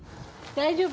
大丈夫。